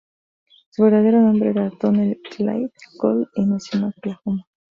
Su verdadero nombre era Donnell Clyde Cooley, y nació en Oklahoma.